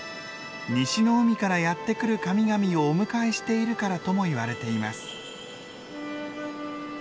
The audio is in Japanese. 西の海からやって来る神々をお迎えしているからともいわれています。